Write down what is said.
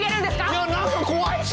いや何か怖いし！